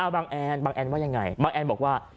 บางแอนว่ายังไงบางแอนบอกว่า